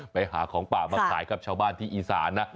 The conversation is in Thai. ไปหาของป่ามาขายกับชาวบ้านที่อีสานนะ